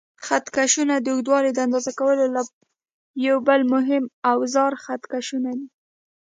خط کشونه: د اوږدوالي د اندازه کولو یو بل مهم اوزار خط کشونه دي.